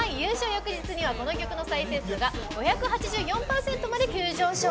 翌日には、この曲の再生数が５８４％まで急上昇。